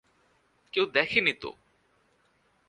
কেউ দেখেনি তো।